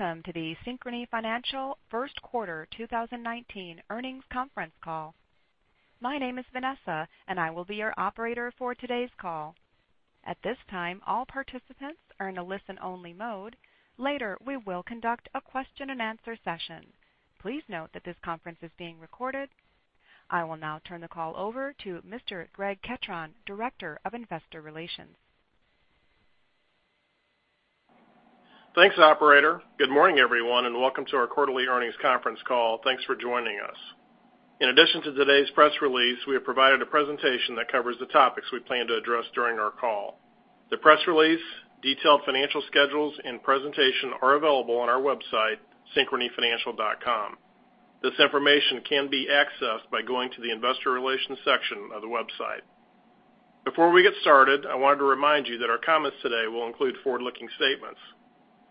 Welcome to the Synchrony Financial first quarter 2019 earnings conference call. My name is Vanessa, and I will be your operator for today's call. At this time, all participants are in a listen-only mode. Later, we will conduct a question-and-answer session. Please note that this conference is being recorded. I will now turn the call over to Mr. Greg Ketron, Director of Investor Relations. Thanks, operator. Good morning, everyone, and welcome to our quarterly earnings conference call. Thanks for joining us. In addition to today's press release, we have provided a presentation that covers the topics we plan to address during our call. The press release, detailed financial schedules, and presentation are available on our website, synchronyfinancial.com. This information can be accessed by going to the investor relations section of the website. Before we get started, I wanted to remind you that our comments today will include forward-looking statements.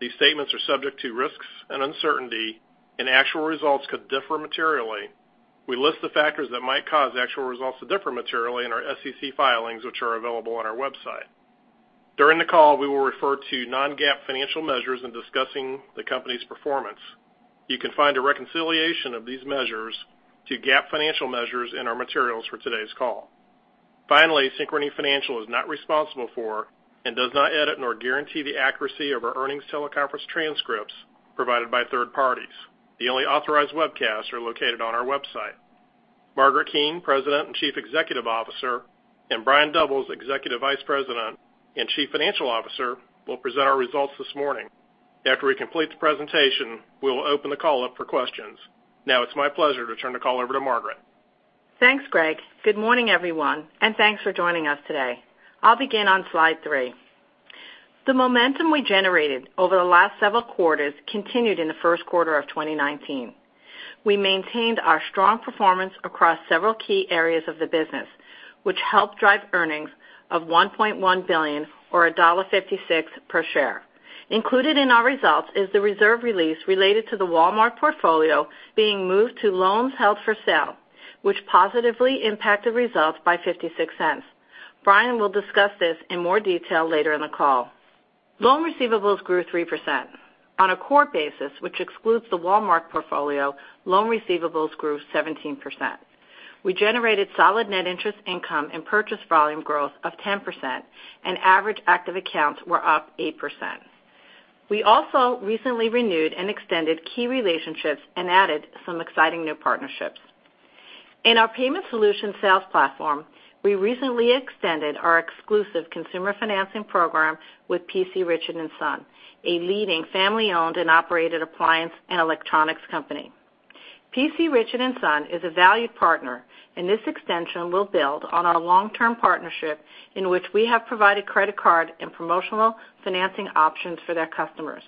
These statements are subject to risks and uncertainty, and actual results could differ materially. We list the factors that might cause actual results to differ materially in our SEC filings, which are available on our website. During the call, we will refer to non-GAAP financial measures in discussing the company's performance. You can find a reconciliation of these measures to GAAP financial measures in our materials for today's call. Finally, Synchrony Financial is not responsible for and does not edit or guarantee the accuracy of our earnings teleconference transcripts provided by third parties. The only authorized webcasts are located on our website. Margaret Keane, President and Chief Executive Officer, and Brian Doubles, Executive Vice President and Chief Financial Officer, will present our results this morning. After we complete the presentation, we will open the call up for questions. Now it's my pleasure to turn the call over to Margaret. Thanks, Greg. Good morning, everyone, and thanks for joining us today. I'll begin on slide three. The momentum we generated over the last several quarters continued in the first quarter of 2019. We maintained our strong performance across several key areas of the business, which helped drive earnings of $1.1 billion or $1.56 per share. Included in our results is the reserve release related to the Walmart portfolio being moved to loans held for sale, which positively impacted results by $0.56. Brian will discuss this in more detail later in the call. Loan receivables grew 3%. On a core basis, which excludes the Walmart portfolio, loan receivables grew 17%. We generated solid net interest income and purchase volume growth of 10%, and average active accounts were up 8%. We also recently renewed and extended key relationships and added some exciting new partnerships. In our Payment Solutions sales platform, we recently extended our exclusive consumer financing program with P.C. Richard & Son, a leading family-owned and operated appliance and electronics company. P.C. Richard & Son is a valued partner, and this extension will build on our long-term partnership in which we have provided credit card and promotional financing options for their customers.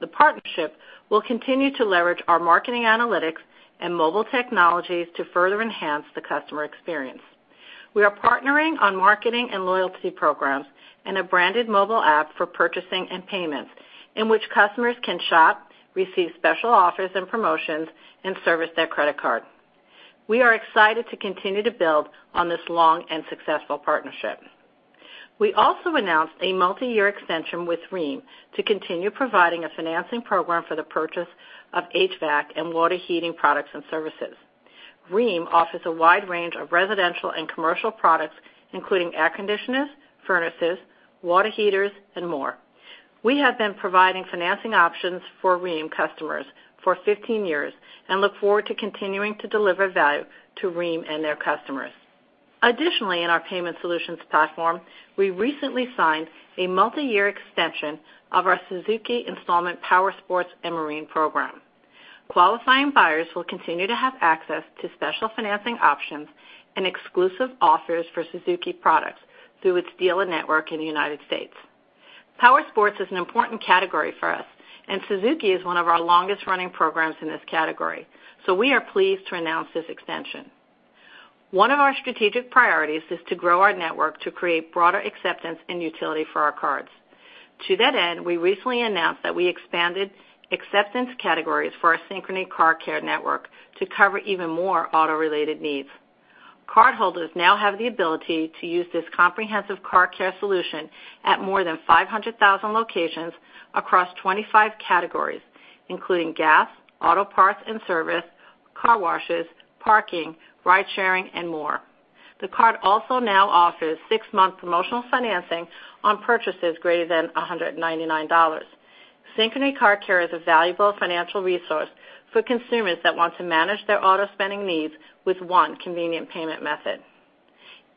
The partnership will continue to leverage our marketing analytics and mobile technologies to further enhance the customer experience. We are partnering on marketing and loyalty programs and a branded mobile app for purchasing and payments in which customers can shop, receive special offers and promotions, and service their credit card. We are excited to continue to build on this long and successful partnership. We also announced a multi-year extension with Rheem to continue providing a financing program for the purchase of HVAC and water heating products and services. Rheem offers a wide range of residential and commercial products, including air conditioners, furnaces, water heaters, and more. We have been providing financing options for Rheem customers for 15 years and look forward to continuing to deliver value to Rheem and their customers. Additionally, in our Payment Solutions platform, we recently signed a multi-year extension of our Suzuki installment powersports and marine program. Qualifying buyers will continue to have access to special financing options and exclusive offers for Suzuki products through its dealer network in the United States. Powersports is an important category for us, and Suzuki is one of our longest-running programs in this category. We are pleased to announce this extension. One of our strategic priorities is to grow our network to create broader acceptance and utility for our cards. To that end, we recently announced that we expanded acceptance categories for our Synchrony Car Care network to cover even more auto-related needs. Cardholders now have the ability to use this comprehensive car care solution at more than 500,000 locations across 25 categories, including gas, auto parts and service, car washes, parking, ride-sharing, and more. The card also now offers six-month promotional financing on purchases greater than $199. Synchrony Car Care is a valuable financial resource for consumers that want to manage their auto spending needs with one convenient payment method.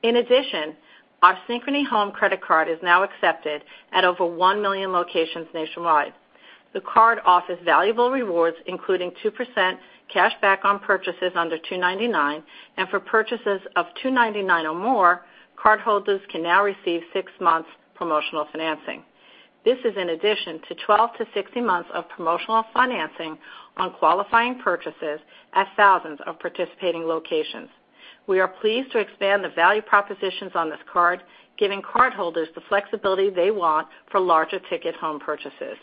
In addition, our Synchrony HOME Credit Card is now accepted at over 1 million locations nationwide. The card offers valuable rewards, including 2% cashback on purchases under $299, and for purchases of $299 or more, cardholders can now receive six months promotional financing. This is in addition to 12 to 60 months of promotional financing on qualifying purchases at thousands of participating locations. We are pleased to expand the value propositions on this card, giving cardholders the flexibility they want for larger ticket home purchases.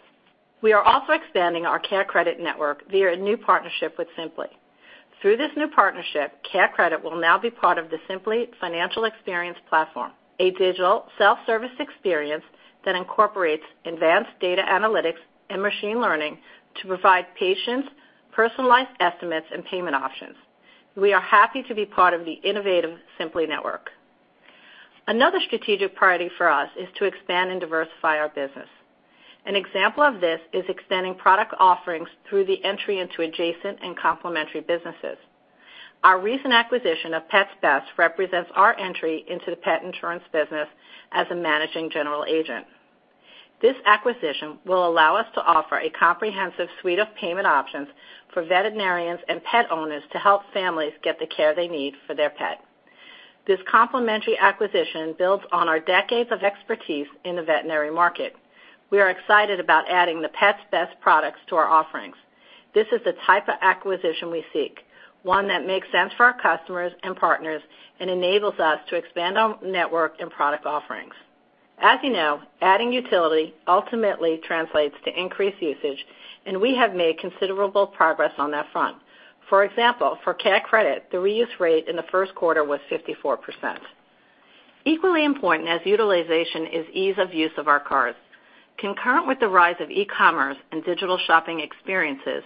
We are also expanding our CareCredit network via a new partnership with Simplee. Through this new partnership, CareCredit will now be part of the Simplee financial experience platform, a digital self-service experience that incorporates advanced data analytics and machine learning to provide patients personalized estimates and payment options. We are happy to be part of the innovative Simplee network. Another strategic priority for us is to expand and diversify our business. An example of this is extending product offerings through the entry into adjacent and complementary businesses. Our recent acquisition of Pets Best represents our entry into the pet insurance business as a managing general agent. This acquisition will allow us to offer a comprehensive suite of payment options for veterinarians and pet owners to help families get the care they need for their pet. This complementary acquisition builds on our decades of expertise in the veterinary market. We are excited about adding the Pets Best products to our offerings. This is the type of acquisition we seek, one that makes sense for our customers and partners and enables us to expand our network and product offerings. As you know, adding utility ultimately translates to increased usage, and we have made considerable progress on that front. For example, for CareCredit, the reuse rate in the first quarter was 54%. Equally important as utilization is ease of use of our cards. Concurrent with the rise of e-commerce and digital shopping experiences,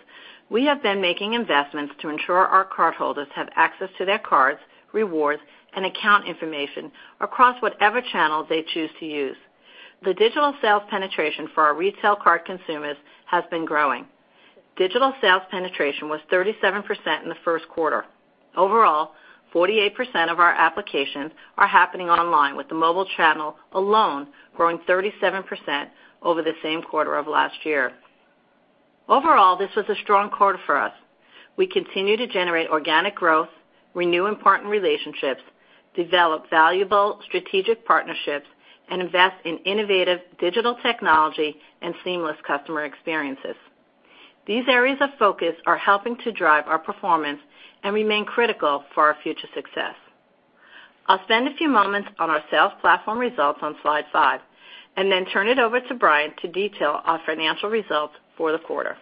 we have been making investments to ensure our cardholders have access to their cards, rewards, and account information across whatever channel they choose to use. The digital sales penetration for our Retail Card consumers has been growing. Digital sales penetration was 37% in the first quarter. Overall, 48% of our applications are happening online, with the mobile channel alone growing 37% over the same quarter of last year. Overall, this was a strong quarter for us. We continue to generate organic growth, renew important relationships, develop valuable strategic partnerships, and invest in innovative digital technology and seamless customer experiences. These areas of focus are helping to drive our performance and remain critical for our future success. I'll spend a few moments on our sales platform results on slide five, and then turn it over to Brian to detail our financial results for the quarter.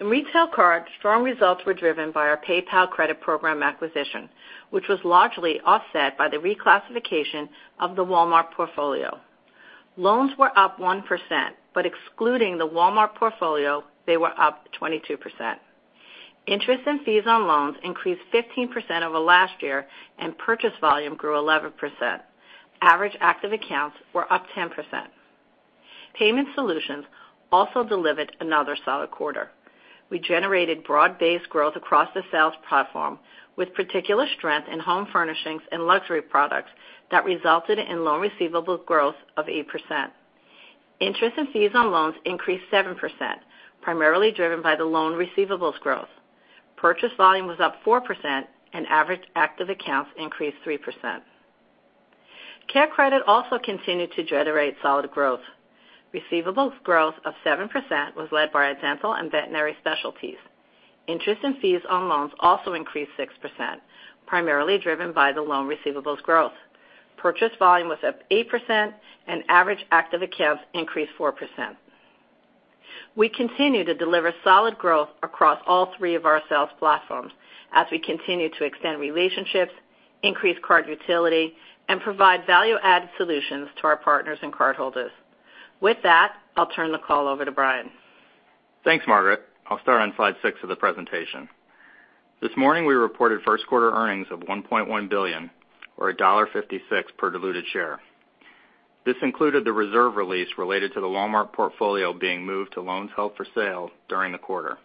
In Retail Card, strong results were driven by our PayPal Credit program acquisition, which was largely offset by the reclassification of the Walmart portfolio. Loans were up 1%, but excluding the Walmart portfolio, they were up 22%. Interest and fees on loans increased 15% over last year, and purchase volume grew 11%. Average active accounts were up 10%. Payment Solutions also delivered another solid quarter. We generated broad-based growth across the sales platform, with particular strength in home furnishings and luxury products that resulted in loan receivables growth of 8%. Interest and fees on loans increased 7%, primarily driven by the loan receivables growth. Purchase volume was up 4%, and average active accounts increased 3%. CareCredit also continued to generate solid growth. Receivables growth of 7% was led by dental and veterinary specialties. Interest and fees on loans also increased 6%, primarily driven by the loan receivables growth. Purchase volume was up 8%, and average active accounts increased 4%. We continue to deliver solid growth across all three of our sales platforms as we continue to extend relationships, increase card utility, and provide value-added solutions to our partners and cardholders. With that, I'll turn the call over to Brian. Thanks, Margaret. I'll start on slide seven of the presentation. This morning, we reported first quarter earnings of $1.1 billion or $1.56 per diluted share. This included the reserve release related to the Walmart portfolio being moved to loans held for sale during the quarter.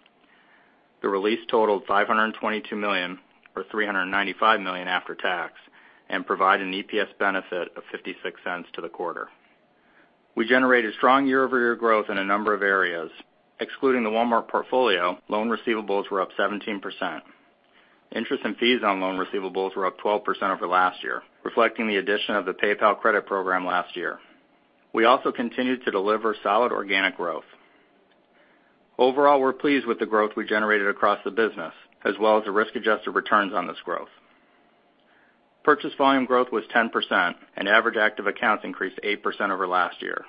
The release totaled $522 million, or $395 million after tax, and provided an EPS benefit of $0.56 to the quarter. We generated strong year-over-year growth in a number of areas. Excluding the Walmart portfolio, loan receivables were up 17%. Interest and fees on loan receivables were up 12% over last year, reflecting the addition of the PayPal Credit program last year. We also continued to deliver solid organic growth. Overall, we're pleased with the growth we generated across the business as well as the risk-adjusted returns on this growth. Purchase volume growth was 10%, and average active accounts increased 8% over last year.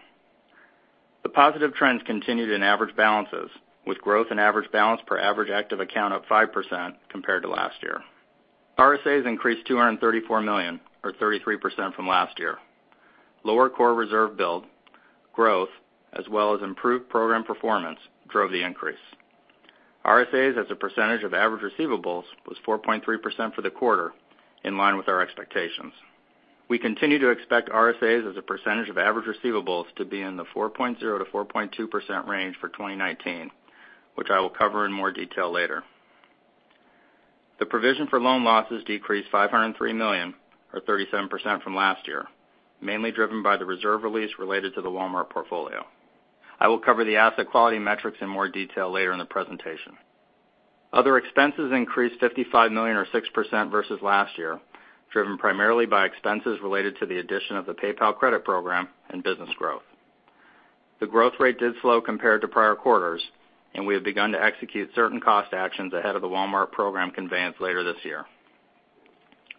The positive trends continued in average balances, with growth in average balance per average active account up 5% compared to last year. RSAs increased $234 million or 33% from last year. Lower core reserve build, growth, as well as improved program performance drove the increase. RSAs as a percentage of average receivables was 4.3% for the quarter, in line with our expectations. We continue to expect RSAs as a percentage of average receivables to be in the 4.0%-4.2% range for 2019, which I will cover in more detail later. The provision for loan losses decreased $503 million or 37% from last year, mainly driven by the reserve release related to the Walmart portfolio. I will cover the asset quality metrics in more detail later in the presentation. Other expenses increased $55 million or 6% versus last year, driven primarily by expenses related to the addition of the PayPal Credit program and business growth. The growth rate did slow compared to prior quarters, and we have begun to execute certain cost actions ahead of the Walmart program conveyance later this year.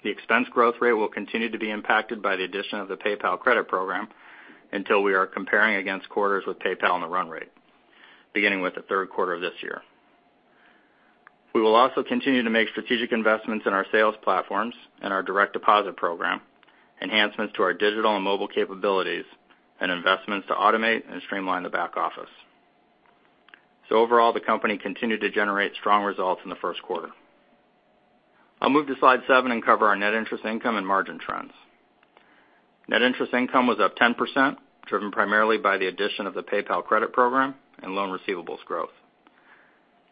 The expense growth rate will continue to be impacted by the addition of the PayPal Credit program until we are comparing against quarters with PayPal in the run rate, beginning with the third quarter of this year. We will also continue to make strategic investments in our sales platforms and our direct deposit program, enhancements to our digital and mobile capabilities, and investments to automate and streamline the back office. Overall, the company continued to generate strong results in the first quarter. I'll move to slide seven and cover our net interest income and margin trends. Net interest income was up 10%, driven primarily by the addition of the PayPal Credit program and loan receivables growth.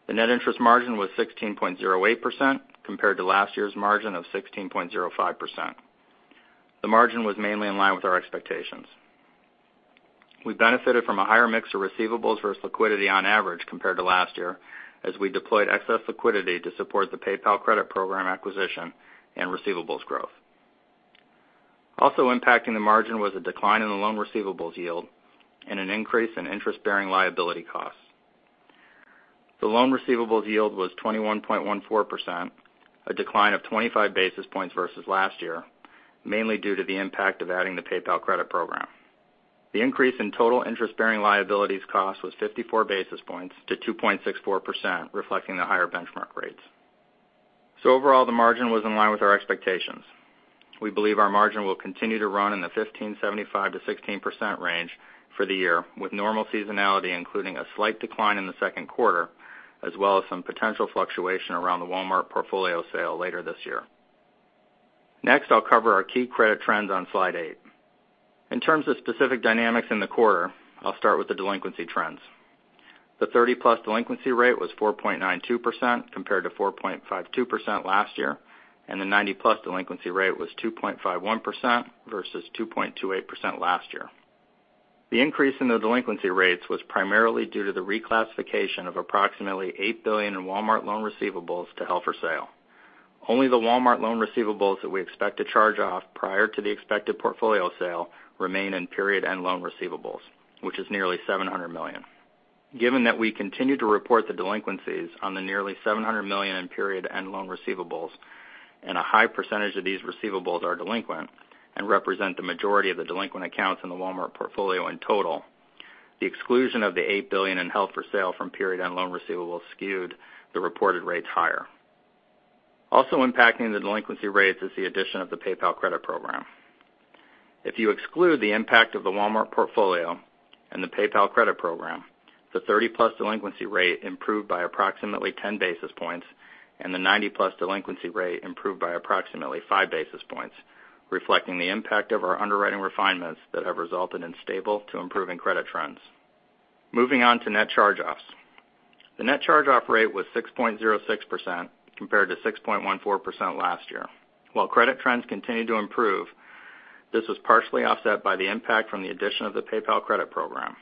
The net interest margin was 16.08% compared to last year's margin of 16.05%. The margin was mainly in line with our expectations. We benefited from a higher mix of receivables versus liquidity on average compared to last year, as we deployed excess liquidity to support the PayPal Credit program acquisition and receivables growth. Also impacting the margin was a decline in the loan receivables yield and an increase in interest-bearing liability costs. The loan receivables yield was 21.14%, a decline of 25 basis points versus last year, mainly due to the impact of adding the PayPal Credit program. The increase in total interest-bearing liabilities cost was 54 basis points to 2.64%, reflecting the higher benchmark rates. Overall, the margin was in line with our expectations. We believe our margin will continue to run in the 15.75% to 16% range for the year with normal seasonality, including a slight decline in the second quarter, as well as some potential fluctuation around the Walmart portfolio sale later this year. Next, I'll cover our key credit trends on slide eight. In terms of specific dynamics in the quarter, I'll start with the delinquency trends. The 30-plus delinquency rate was 4.92% compared to 4.52% last year, and the 90-plus delinquency rate was 2.51% versus 2.28% last year. The increase in the delinquency rates was primarily due to the reclassification of approximately $8 billion in Walmart loan receivables to held for sale. Only the Walmart loan receivables that we expect to charge off prior to the expected portfolio sale remain in period-end loan receivables, which is nearly $700 million. Given that we continue to report the delinquencies on the nearly $700 million in period-end loan receivables, and a high percentage of these receivables are delinquent and represent the majority of the delinquent accounts in the Walmart portfolio in total, the exclusion of the $8 billion in held for sale from period-end loan receivables skewed the reported rates higher. Also impacting the delinquency rates is the addition of the PayPal Credit program. If you exclude the impact of the Walmart portfolio and the PayPal Credit program, the 30-plus delinquency rate improved by approximately ten basis points, and the 90-plus delinquency rate improved by approximately five basis points, reflecting the impact of our underwriting refinements that have resulted in stable to improving credit trends. Moving on to net charge-offs. The net charge-off rate was 6.06% compared to 6.14% last year. While credit trends continue to improve, this was partially offset by the impact from the addition of the PayPal Credit program.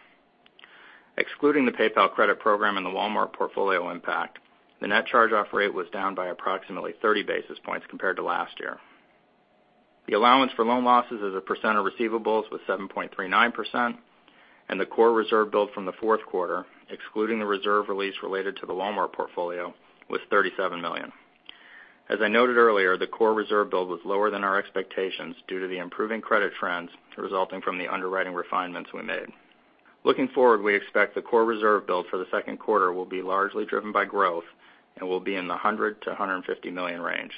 Excluding the PayPal Credit program and the Walmart portfolio impact, the net charge-off rate was down by approximately 30 basis points compared to last year. The allowance for loan losses as a percent of receivables was 7.39%, and the core reserve build from the fourth quarter, excluding the reserve release related to the Walmart portfolio, was $37 million. As I noted earlier, the core reserve build was lower than our expectations due to the improving credit trends resulting from the underwriting refinements we made. Looking forward, we expect the core reserve build for the second quarter will be largely driven by growth and will be in the $100 to $150 million range.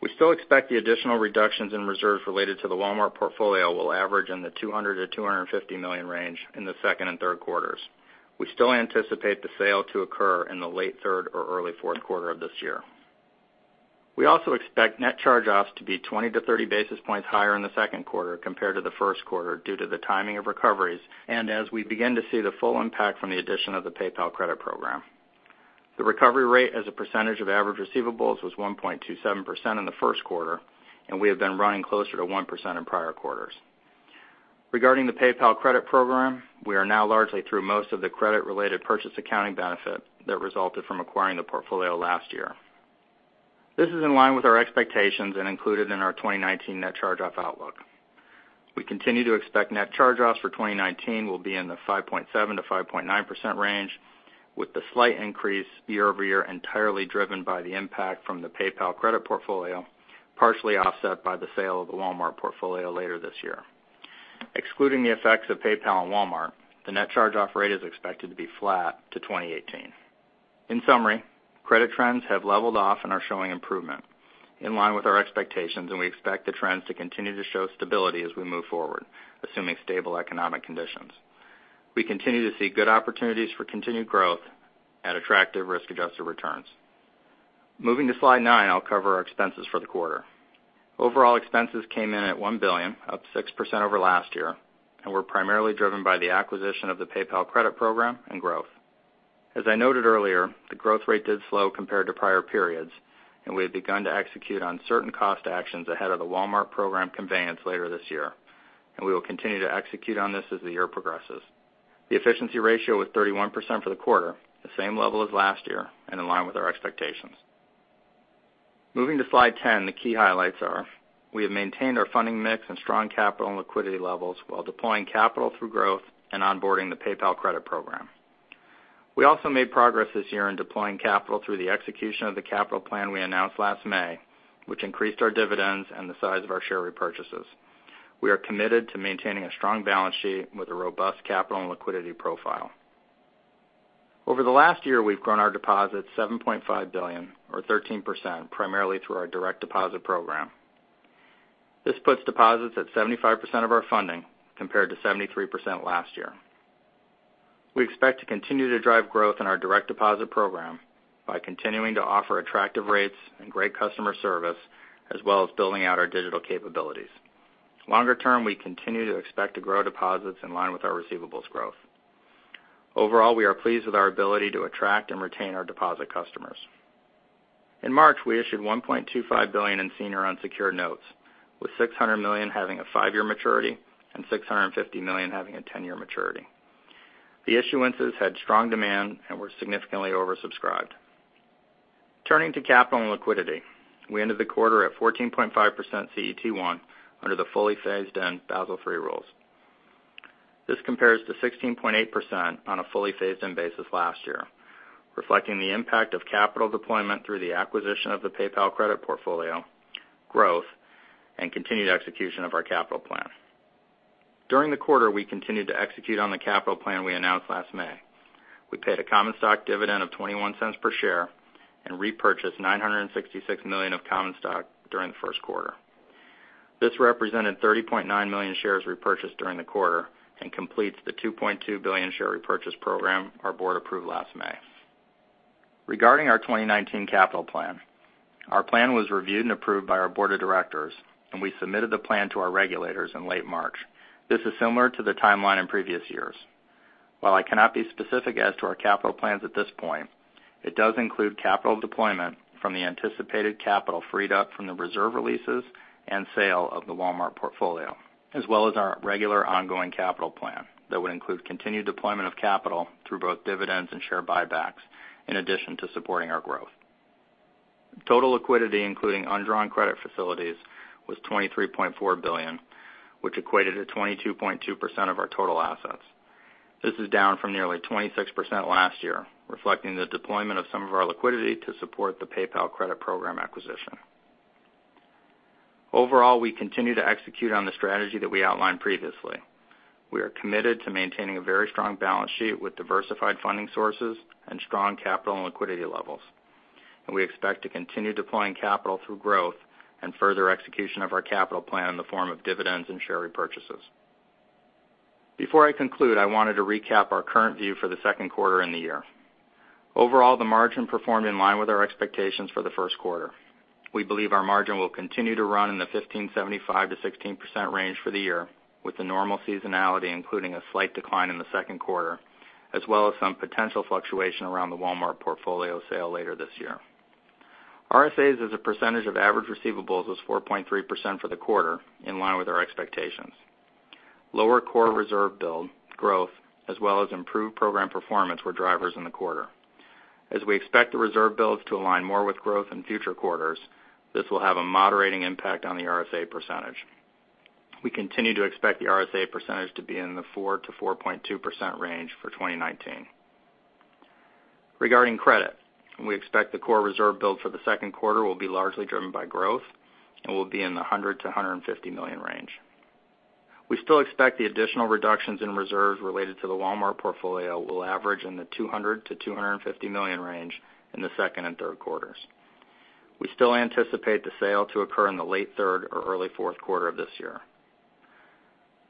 We still expect the additional reductions in reserves related to the Walmart portfolio will average in the $200 to $250 million range in the second and third quarters. We still anticipate the sale to occur in the late third or early fourth quarter of this year. We also expect net charge-offs to be 20 to 30 basis points higher in the second quarter compared to the first quarter due to the timing of recoveries and as we begin to see the full impact from the addition of the PayPal Credit program. The recovery rate as a percentage of average receivables was 1.27% in the first quarter, and we have been running closer to 1% in prior quarters. Regarding the PayPal Credit program, we are now largely through most of the credit-related purchase accounting benefit that resulted from acquiring the portfolio last year. This is in line with our expectations and included in our 2019 net charge-off outlook. We continue to expect net charge-offs for 2019 will be in the 5.7%-5.9% range, with the slight increase year-over-year entirely driven by the impact from the PayPal Credit portfolio, partially offset by the sale of the Walmart portfolio later this year. Excluding the effects of PayPal and Walmart, the net charge-off rate is expected to be flat to 2018. In summary, credit trends have leveled off and are showing improvement, in line with our expectations, and we expect the trends to continue to show stability as we move forward, assuming stable economic conditions. We continue to see good opportunities for continued growth at attractive risk-adjusted returns. Moving to slide nine, I'll cover our expenses for the quarter. Overall expenses came in at $1 billion, up 6% over last year, and were primarily driven by the acquisition of the PayPal Credit program and growth. As I noted earlier, the growth rate did slow compared to prior periods, and we have begun to execute on certain cost actions ahead of the Walmart program conveyance later this year, and we will continue to execute on this as the year progresses. The efficiency ratio was 31% for the quarter, the same level as last year and in line with our expectations. Moving to slide 10, the key highlights are we have maintained our funding mix and strong capital and liquidity levels while deploying capital through growth and onboarding the PayPal Credit program. We also made progress this year in deploying capital through the execution of the capital plan we announced last May, which increased our dividends and the size of our share repurchases. We are committed to maintaining a strong balance sheet with a robust capital and liquidity profile. Over the last year, we've grown our deposits $7.5 billion, or 13%, primarily through our direct deposit program. This puts deposits at 75% of our funding, compared to 73% last year. We expect to continue to drive growth in our direct deposit program by continuing to offer attractive rates and great customer service, as well as building out our digital capabilities. Longer term, we continue to expect to grow deposits in line with our receivables growth. Overall, we are pleased with our ability to attract and retain our deposit customers. In March, we issued $1.25 billion in senior unsecured notes, with $600 million having a five-year maturity and $650 million having a 10-year maturity. The issuances had strong demand and were significantly oversubscribed. Turning to capital and liquidity, we ended the quarter at 14.5% CET1 under the fully phased-in Basel III rules. This compares to 16.8% on a fully phased-in basis last year, reflecting the impact of capital deployment through the acquisition of the PayPal Credit portfolio, growth, and continued execution of our capital plan. During the quarter, we continued to execute on the capital plan we announced last May. We paid a common stock dividend of $0.21 per share and repurchased $966 million of common stock during the first quarter. This represented 30.9 million shares repurchased during the quarter and completes the $2.2 billion share repurchase program our board approved last May. Regarding our 2019 capital plan, our plan was reviewed and approved by our board of directors, and we submitted the plan to our regulators in late March. This is similar to the timeline in previous years. While I cannot be specific as to our capital plans at this point, it does include capital deployment from the anticipated capital freed up from the reserve releases and sale of the Walmart portfolio, as well as our regular ongoing capital plan that would include continued deployment of capital through both dividends and share buybacks, in addition to supporting our growth. Total liquidity, including undrawn credit facilities, was $23.4 billion, which equated to 22.2% of our total assets. This is down from nearly 26% last year, reflecting the deployment of some of our liquidity to support the PayPal Credit program acquisition. Overall, we continue to execute on the strategy that we outlined previously. We are committed to maintaining a very strong balance sheet with diversified funding sources and strong capital and liquidity levels. We expect to continue deploying capital through growth and further execution of our capital plan in the form of dividends and share repurchases. Before I conclude, I wanted to recap our current view for the second quarter and the year. Overall, the margin performed in line with our expectations for the first quarter. We believe our margin will continue to run in the 15.75%-16% range for the year, with the normal seasonality, including a slight decline in the second quarter, as well as some potential fluctuation around the Walmart portfolio sale later this year. RSAs as a percentage of average receivables was 4.3% for the quarter, in line with our expectations. Lower core reserve build growth, as well as improved program performance were drivers in the quarter. As we expect the reserve builds to align more with growth in future quarters, this will have a moderating impact on the RSA percentage. We continue to expect the RSA percentage to be in the 4%-4.2% range for 2019. Regarding credit, we expect the core reserve build for the second quarter will be largely driven by growth and will be in the $100 million-$150 million range. We still expect the additional reductions in reserves related to the Walmart portfolio will average in the $200 million-$250 million range in the second and third quarters. We still anticipate the sale to occur in the late third or early fourth quarter of this year.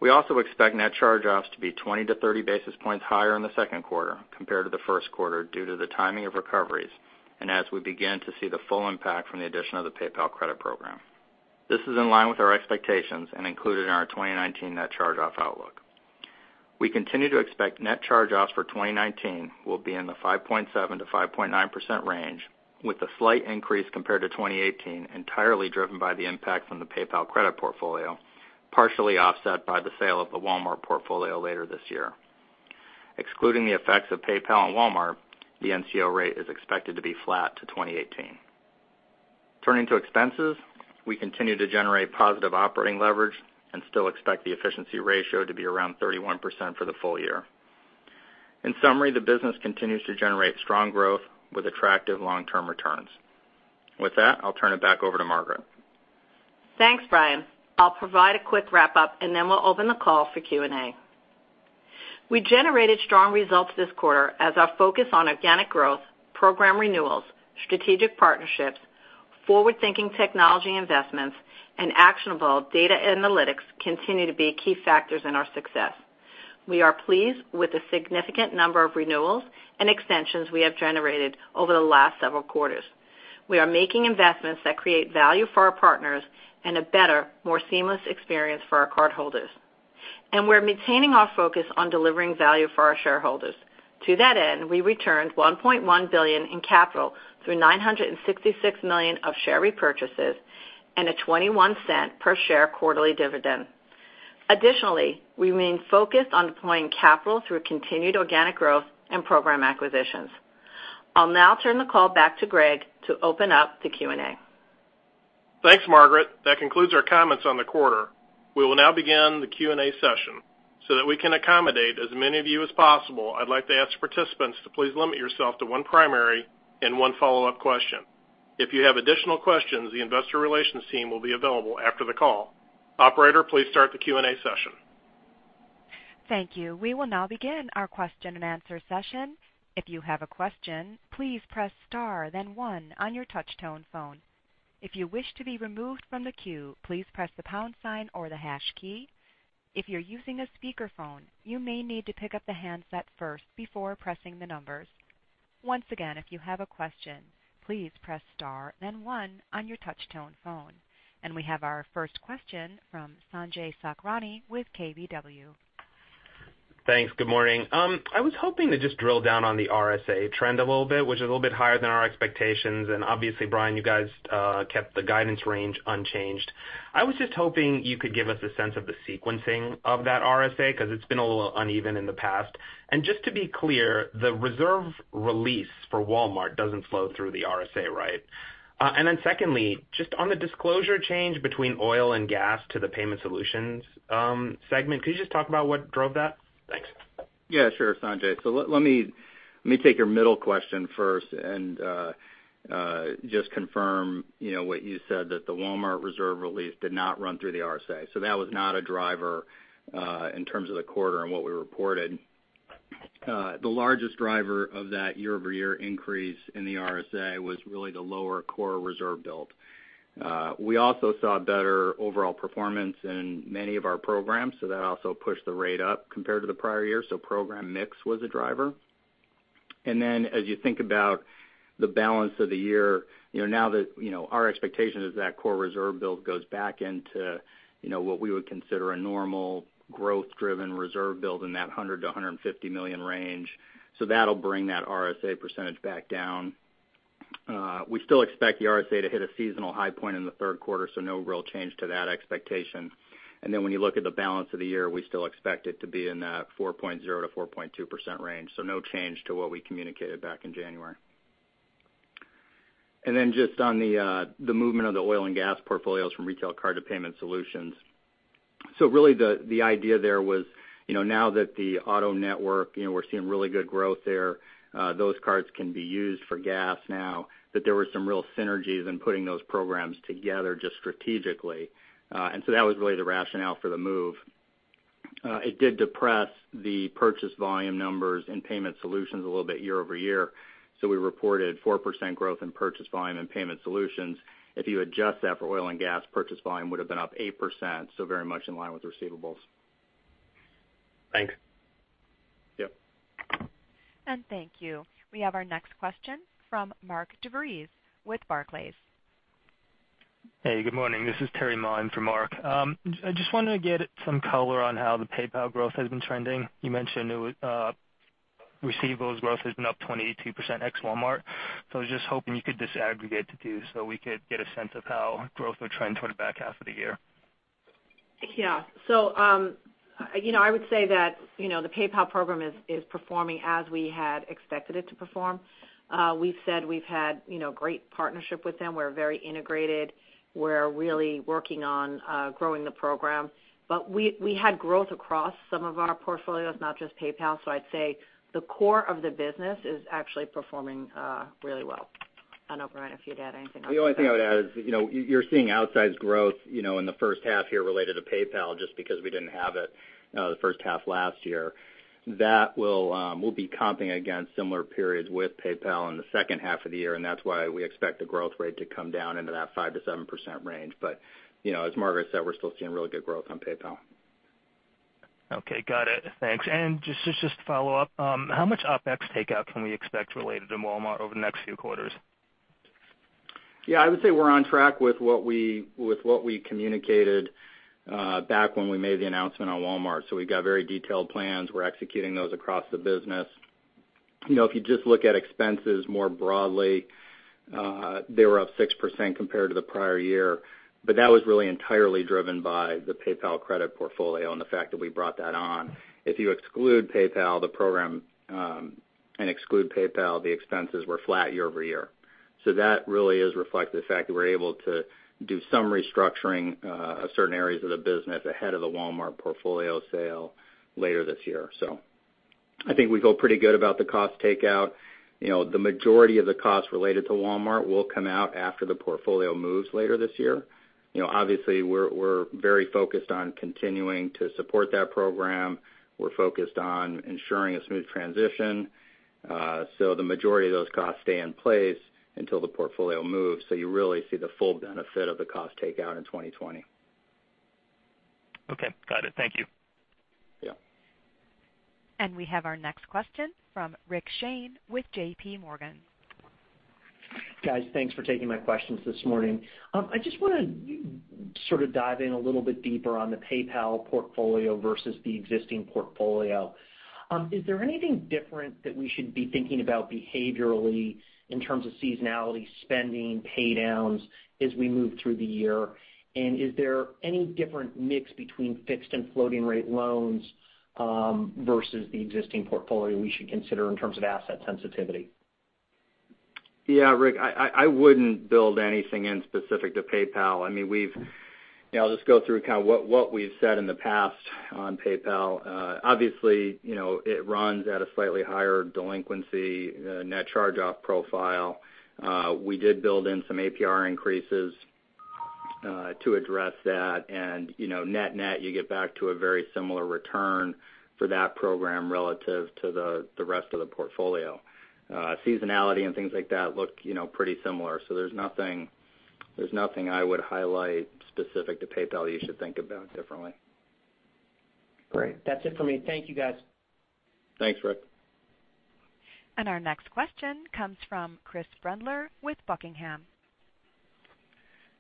We also expect net charge-offs to be 20 to 30 basis points higher in the second quarter compared to the first quarter due to the timing of recoveries and as we begin to see the full impact from the addition of the PayPal Credit program. This is in line with our expectations and included in our 2019 net charge-off outlook. We continue to expect net charge-offs for 2019 will be in the 5.7%-5.9% range, with a slight increase compared to 2018, entirely driven by the impact from the PayPal Credit portfolio, partially offset by the sale of the Walmart portfolio later this year. Excluding the effects of PayPal and Walmart, the NCO rate is expected to be flat to 2018. Turning to expenses, we continue to generate positive operating leverage and still expect the efficiency ratio to be around 31% for the full year. In summary, the business continues to generate strong growth with attractive long-term returns. With that, I'll turn it back over to Margaret. Thanks, Brian. I'll provide a quick wrap-up. Then we'll open the call for Q&A. We generated strong results this quarter as our focus on organic growth, program renewals, strategic partnerships, forward-thinking technology investments, and actionable data analytics continue to be key factors in our success. We are pleased with the significant number of renewals and extensions we have generated over the last several quarters. We are making investments that create value for our partners and a better, more seamless experience for our cardholders. We're maintaining our focus on delivering value for our shareholders. To that end, we returned $1.1 billion in capital through $966 million of share repurchases and a $0.21 per share quarterly dividend. Additionally, we remain focused on deploying capital through continued organic growth and program acquisitions. I'll now turn the call back to Greg to open up the Q&A. Thanks, Margaret. That concludes our comments on the quarter. We will now begin the Q&A session. That we can accommodate as many of you as possible, I'd like to ask participants to please limit yourself to one primary and one follow-up question. If you have additional questions, the investor relations team will be available after the call. Operator, please start the Q&A session. Thank you. We will now begin our question and answer session. If you have a question, please press star then one on your touch-tone phone. If you wish to be removed from the queue, please press the pound sign or the hash key. If you're using a speakerphone, you may need to pick up the handset first before pressing the numbers. Once again, if you have a question, please press star then one on your touch-tone phone. We have our first question from Sanjay Sakhrani with KBW. Thanks. Good morning. I was hoping to just drill down on the RSA trend a little bit, which is a little bit higher than our expectations. Obviously, Brian, you guys kept the guidance range unchanged. I was just hoping you could give us a sense of the sequencing of that RSA, because it's been a little uneven in the past. Just to be clear, the reserve release for Walmart doesn't flow through the RSA, right? Secondly, just on the disclosure change between oil and gas to the Payment Solutions segment, could you just talk about what drove that? Thanks. Sure, Sanjay. Let me take your middle question first and just confirm what you said, that the Walmart reserve release did not run through the RSA. That was not a driver in terms of the quarter and what we reported. The largest driver of that year-over-year increase in the RSA was really the lower core reserve build. We also saw better overall performance in many of our programs, so that also pushed the rate up compared to the prior year. Program mix was a driver. As you think about the balance of the year, our expectation is that core reserve build goes back into what we would consider a normal growth-driven reserve build in that $100 million to $150 million range. That'll bring that RSA percentage back down. We still expect the RSA to hit a seasonal high point in the third quarter, no real change to that expectation. When you look at the balance of the year, we still expect it to be in that 4.0%-4.2% range. No change to what we communicated back in January. Just on the movement of the oil and gas portfolios from Retail Card to Payment Solutions. Really the idea there was, now that the auto network, we're seeing really good growth there, those cards can be used for gas now, that there were some real synergies in putting those programs together just strategically. That was really the rationale for the move. It did depress the purchase volume numbers in Payment Solutions a little bit year-over-year. We reported 4% growth in purchase volume and Payment Solutions. If you adjust that for oil and gas, purchase volume would've been up 8%, very much in line with receivables. Thanks. Yep. Thank you. We have our next question from Mark DeVries with Barclays. Hey, good morning. This is Terry Ma for Mark. I just wanted to get some color on how the PayPal growth has been trending. You mentioned receivables growth has been up 22% ex-Walmart. I was just hoping you could disaggregate the two so we could get a sense of how growth would trend toward the back half of the year. I would say that the PayPal program is performing as we had expected it to perform. We've said we've had great partnership with them. We're very integrated. We're really working on growing the program. We had growth across some of our portfolios, not just PayPal. I'd say the core of the business is actually performing really well. I don't know, Brian, if you'd add anything else. The only thing I would add is, you're seeing outsized growth in the first half here related to PayPal, just because we didn't have it the first half last year. We'll be comping against similar periods with PayPal in the second half of the year, and that's why we expect the growth rate to come down into that 5%-7% range. As Margaret said, we're still seeing really good growth on PayPal. Okay. Got it. Thanks. Just to follow up, how much OPEX takeout can we expect related to Walmart over the next few quarters? Yeah, I would say we're on track with what we communicated back when we made the announcement on Walmart. We've got very detailed plans. We're executing those across the business. If you just look at expenses more broadly, they were up 6% compared to the prior year. That was really entirely driven by the PayPal Credit portfolio and the fact that we brought that on. If you exclude PayPal, the program, and exclude PayPal, the expenses were flat year-over-year. That really is reflective of the fact that we're able to do some restructuring of certain areas of the business ahead of the Walmart portfolio sale later this year. I think we feel pretty good about the cost takeout. The majority of the costs related to Walmart will come out after the portfolio moves later this year. Obviously, we're very focused on continuing to support that program. We're focused on ensuring a smooth transition. The majority of those costs stay in place until the portfolio moves. You really see the full benefit of the cost takeout in 2020. Okay. Got it. Thank you. Yeah. We have our next question from Richard Shane with JPMorgan. Guys, thanks for taking my questions this morning. I just want to sort of dive in a little bit deeper on the PayPal portfolio versus the existing portfolio. Is there anything different that we should be thinking about behaviorally in terms of seasonality, spending, paydowns as we move through the year? Is there any different mix between fixed and floating rate loans versus the existing portfolio we should consider in terms of asset sensitivity? Yeah, Rick, I wouldn't build anything in specific to PayPal. I'll just go through kind of what we've said in the past on PayPal. Obviously, it runs at a slightly higher delinquency net charge-off profile. We did build in some APR increases to address that. Net-net, you get back to a very similar return for that program relative to the rest of the portfolio. Seasonality and things like that look pretty similar. There's nothing I would highlight specific to PayPal you should think about differently. Great. That's it for me. Thank you, guys. Thanks, Rick. Our next question comes from Chris Brendler with Buckingham.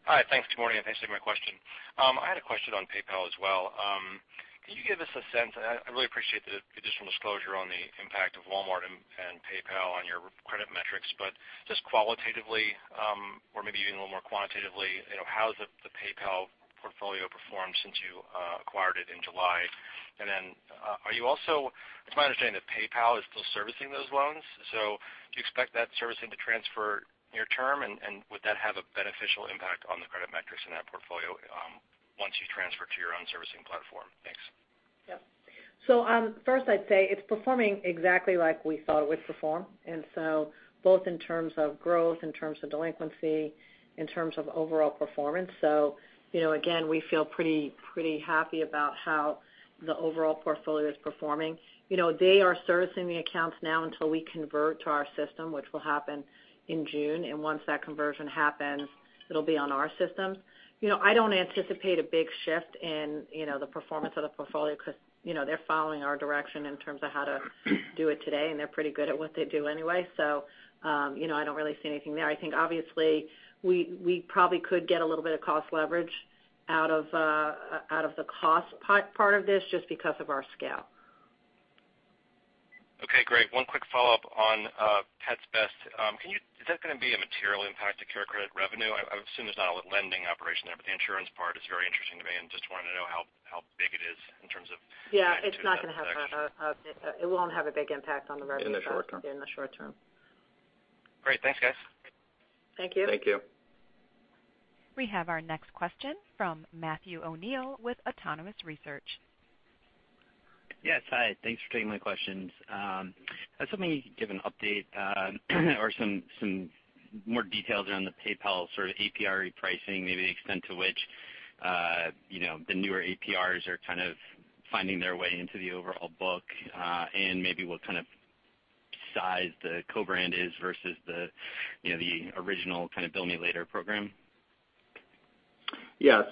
Hi. Thanks. Good morning, and thanks for taking my question. I had a question on PayPal as well. Can you give us a sense-- I really appreciate the additional disclosure on the impact of Walmart and PayPal on your credit metrics, but just qualitatively, or maybe even a little more quantitatively, how has the PayPal portfolio performed since you acquired it in July? It's my understanding that PayPal is still servicing those loans. Do you expect that servicing to transfer near term, and would that have a beneficial impact on the credit metrics in that portfolio once you transfer to your own servicing platform? Thanks. Yep. First I'd say it's performing exactly like we thought it would perform. Both in terms of growth, in terms of delinquency, in terms of overall performance. Again, we feel pretty happy about how the overall portfolio is performing. They are servicing the accounts now until we convert to our system, which will happen in June. Once that conversion happens, it'll be on our systems. I don't anticipate a big shift in the performance of the portfolio because they're following our direction in terms of how to do it today, and they're pretty good at what they do anyway. I don't really see anything there. I think obviously, we probably could get a little bit of cost leverage out of the cost part of this just because of our scale. Okay, great. One quick follow-up on Pets Best. Is that going to be a material impact to CareCredit revenue? I assume there's not a lending operation there, but the insurance part is very interesting to me, and just wanted to know how big it is in terms of the 2019 section. Yeah, it won't have a big impact on the revenue- In the short term in the short term. Great. Thanks, guys. Thank you. Thank you. We have our next question from Matthew O'Neill with Autonomous Research. Yes. Hi. Thanks for taking my questions. I was hoping you could give an update, or some more details around the PayPal sort of APR repricing, maybe the extent to which the newer APRs are kind of finding their way into the overall book, and maybe what kind of size the co-brand is versus the original kind of Bill Me Later program. Yeah.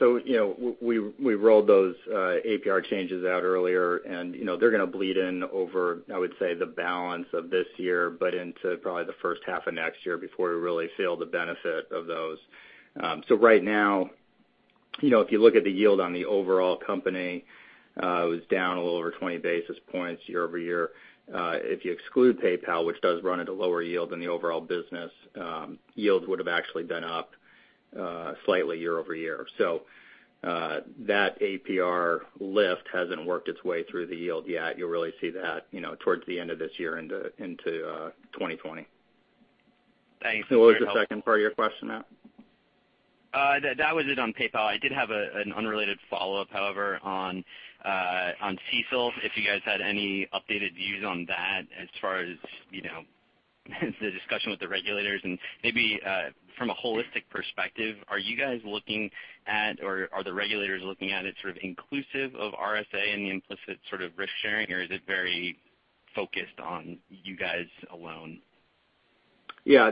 We rolled those APR changes out earlier, and they're going to bleed in over, I would say, the balance of this year, but into probably the first half of next year before we really feel the benefit of those. Right now, if you look at the yield on the overall company, it was down a little over 20 basis points year-over-year. If you exclude PayPal, which does run at a lower yield than the overall business, yields would've actually been up slightly year-over-year. That APR lift hasn't worked its way through the yield yet. You'll really see that towards the end of this year into 2020. Thanks. That was helpful. What was the second part of your question, Matt? That was it on PayPal. I did have an unrelated follow-up, however, on CECL, if you guys had any updated views on that as far as the discussion with the regulators. Maybe from a holistic perspective, are you guys looking at, or are the regulators looking at it sort of inclusive of RSA and the implicit sort of risk-sharing, or is it very focused on you guys alone? Yeah.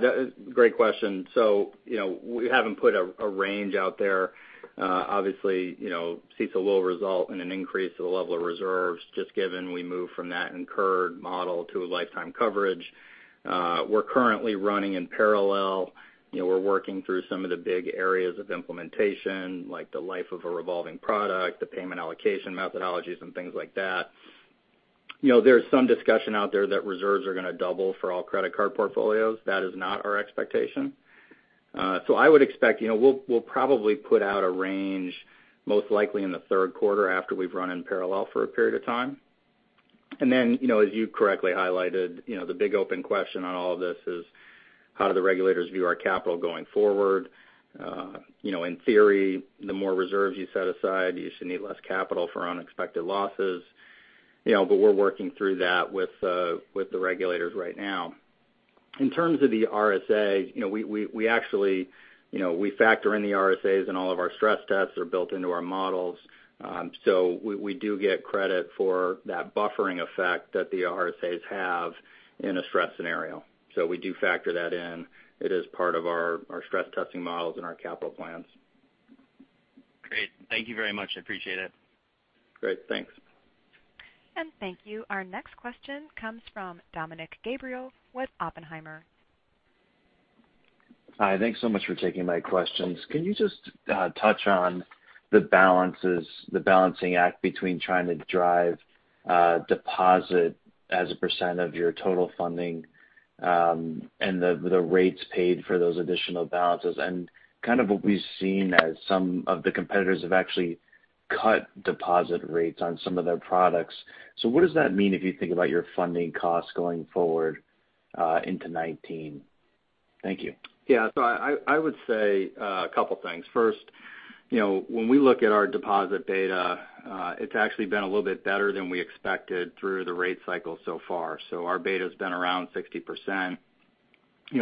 Great question. We haven't put a range out there. Obviously, CECL will result in an increase to the level of reserves just given we move from that incurred model to a lifetime coverage. We're currently running in parallel. We're working through some of the big areas of implementation, like the life of a revolving product, the payment allocation methodologies and things like that. There's some discussion out there that reserves are going to double for all credit card portfolios. That is not our expectation. I would expect, we'll probably put out a range, most likely in the third quarter after we've run in parallel for a period of time. Then, as you correctly highlighted, the big open question on all of this is how do the regulators view our capital going forward? In theory, the more reserves you set aside, you should need less capital for unexpected losses. We're working through that with the regulators right now. In terms of the RSA, we factor in the RSAs in all of our stress tests. They're built into our models. We do get credit for that buffering effect that the RSAs have in a stress scenario. We do factor that in. It is part of our stress testing models and our capital plans. Great. Thank you very much. I appreciate it. Great. Thanks. Thank you. Our next question comes from Dominick Gabriele with Oppenheimer. Hi. Thanks so much for taking my questions. Can you just touch on the balances, the balancing act between trying to drive deposit as a % of your total funding, and the rates paid for those additional balances, and kind of what we've seen as some of the competitors have actually cut deposit rates on some of their products. What does that mean if you think about your funding costs going forward into 2019? Thank you. Yeah. I would say a couple things. First, when we look at our deposit beta, it's actually been a little bit better than we expected through the rate cycle so far. Our beta's been around 60%.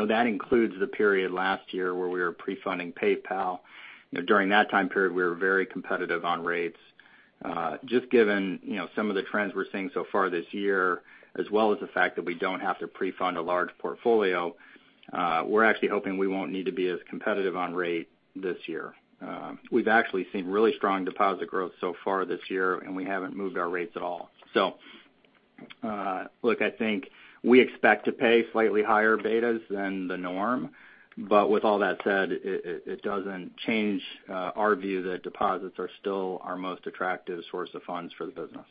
That includes the period last year where we were pre-funding PayPal. During that time period, we were very competitive on rates. Just given some of the trends we're seeing so far this year, as well as the fact that we don't have to pre-fund a large portfolio, we're actually hoping we won't need to be as competitive on rate this year. We've actually seen really strong deposit growth so far this year, and we haven't moved our rates at all. Look, I think we expect to pay slightly higher betas than the norm. With all that said, it doesn't change our view that deposits are still our most attractive source of funds for the business.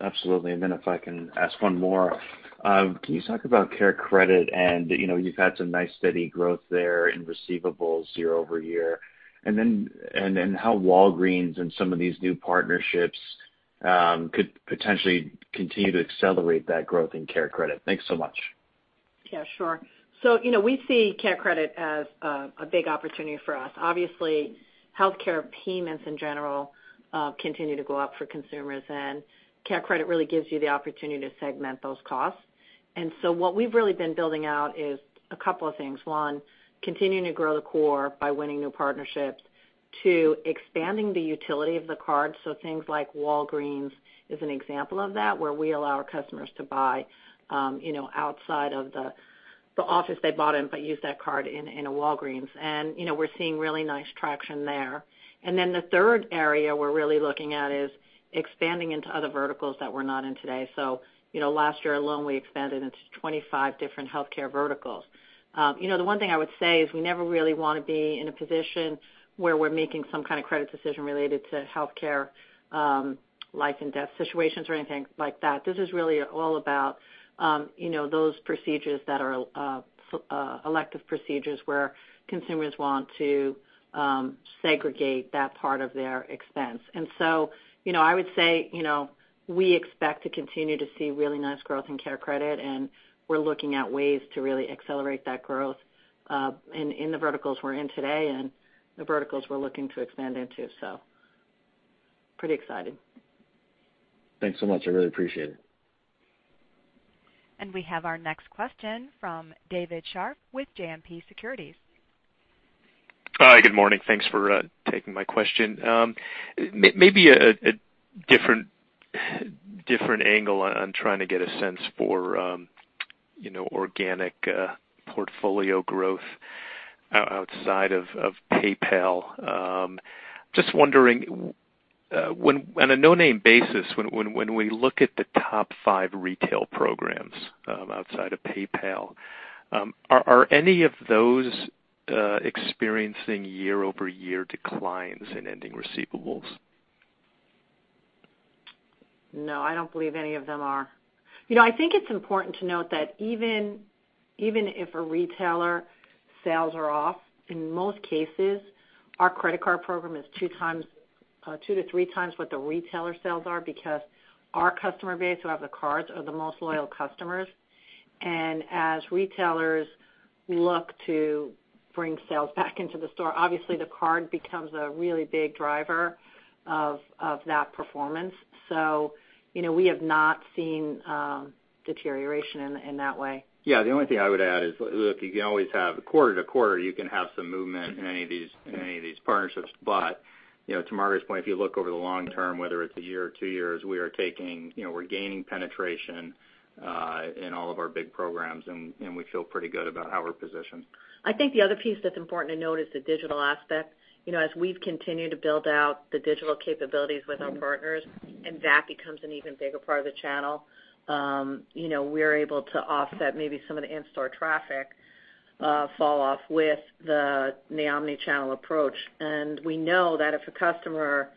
Absolutely. If I can ask one more. Can you talk about CareCredit and you've had some nice steady growth there in receivables year-over-year, and how Walgreens and some of these new partnerships could potentially continue to accelerate that growth in CareCredit? Thanks so much. Yeah, sure. We see CareCredit as a big opportunity for us. Obviously, healthcare payments in general continue to go up for consumers, and CareCredit really gives you the opportunity to segment those costs. What we've really been building out is a couple of things. One, continuing to grow the core by winning new partnerships. Two, expanding the utility of the card, so things like Walgreens is an example of that, where we allow our customers to buy outside of the office they bought in, but use that card in a Walgreens. We're seeing really nice traction there. The third area we're really looking at is expanding into other verticals that we're not in today. Last year alone, we expanded into 25 different healthcare verticals. The one thing I would say is we never really want to be in a position where we're making some kind of credit decision related to healthcare, life and death situations or anything like that. This is really all about those procedures that are elective procedures where consumers want to segregate that part of their expense. I would say we expect to continue to see really nice growth in CareCredit, and we're looking at ways to really accelerate that growth in the verticals we're in today and the verticals we're looking to expand into. Pretty excited. Thanks so much. I really appreciate it. We have our next question from David Scharf with JMP Securities. Hi, good morning. Thanks for taking my question. Maybe a different angle on trying to get a sense for organic portfolio growth outside of PayPal. Just wondering on a no-name basis, when we look at the top five retail programs outside of PayPal, are any of those experiencing year-over-year declines in ending receivables? No, I don't believe any of them are. I think it's important to note that even if a retailer sales are off, in most cases, our credit card program is two to three times what the retailer sales are because our customer base who have the cards are the most loyal customers. As retailers look to bring sales back into the store, obviously the card becomes a really big driver of that performance. We have not seen deterioration in that way. Yeah. The only thing I would add is, look, you can always have a quarter-to-quarter, you can have some movement in any of these partnerships. To Margaret's point, if you look over the long term, whether it's a year or two years, we're gaining penetration in all of our big programs, and we feel pretty good about how we're positioned. I think the other piece that's important to note is the digital aspect. As we've continued to build out the digital capabilities with our partners, and that becomes an even bigger part of the channel. We're able to offset maybe some of the in-store traffic falloff with the omni-channel approach. We know that if a customer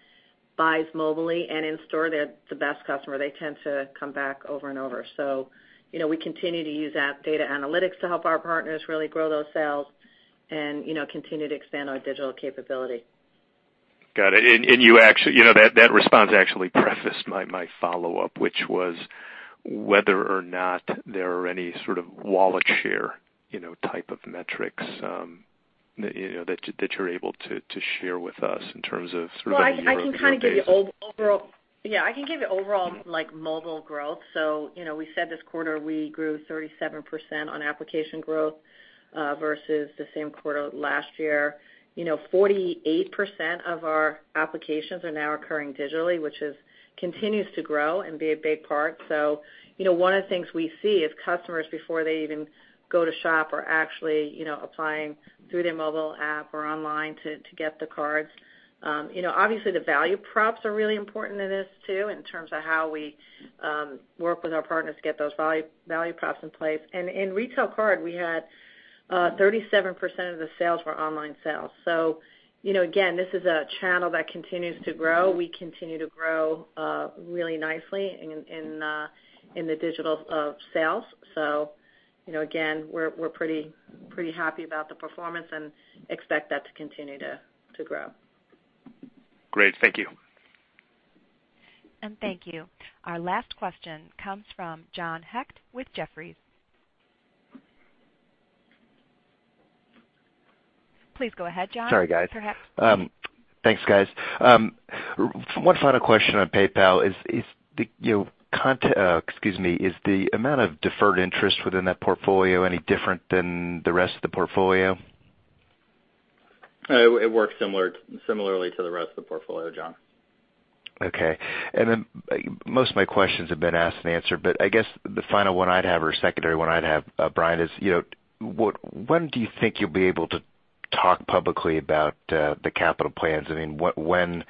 buys mobile and in store, they're the best customer. They tend to come back over and over. We continue to use app data analytics to help our partners really grow those sales and continue to expand our digital capability. Got it. That response actually prefaced my follow-up, which was whether or not there are any sort of wallet share type of metrics that you're able to share with us in terms of sort of year-over-year basis. Well, I can kind of give you overall mobile growth. We said this quarter we grew 37% on application growth versus the same quarter last year. 48% of our applications are now occurring digitally, which continues to grow and be a big part. One of the things we see is customers before they even go to shop are actually applying through their mobile app or online to get the cards. Obviously, the value props are really important in this too, in terms of how we work with our partners to get those value props in place. In Retail Card, we had 37% of the sales were online sales. Again, this is a channel that continues to grow. We continue to grow really nicely in the digital sales. Again, we're pretty happy about the performance and expect that to continue to grow. Great. Thank you. Thank you. Our last question comes from John Hecht with Jefferies. Please go ahead, John. Sorry, guys. Go ahead. Thanks, guys. One final question on PayPal. Is the amount of deferred interest within that portfolio any different than the rest of the portfolio? It works similarly to the rest of the portfolio, John. Okay. Most of my questions have been asked and answered, but I guess the final one I'd have or secondary one I'd have, Brian, is when do you think you'll be able to talk publicly about the capital plans? I mean, when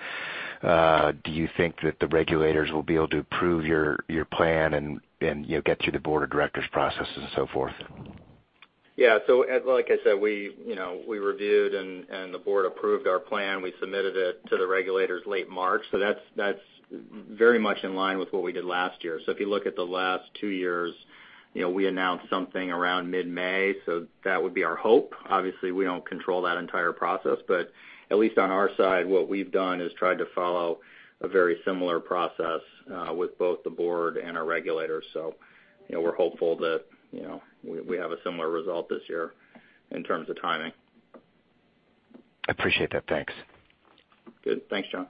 do you think that the regulators will be able to approve your plan and get through the Board of Directors process and so forth? Yeah. Like I said, we reviewed and the Board approved our plan. We submitted it to the regulators late March. That's very much in line with what we did last year. If you look at the last two years, we announced something around mid-May, that would be our hope. Obviously, we don't control that entire process, but at least on our side, what we've done is tried to follow a very similar process with both the Board and our regulators. We're hopeful that we have a similar result this year in terms of timing. I appreciate that. Thanks. Good. Thanks, John.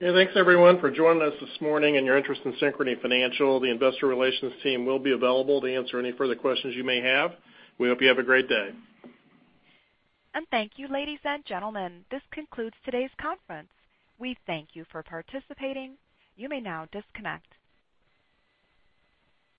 Yeah. Thanks, everyone, for joining us this morning and your interest in Synchrony Financial. The investor relations team will be available to answer any further questions you may have. We hope you have a great day. Thank you, ladies and gentlemen. This concludes today's conference. We thank you for participating. You may now disconnect.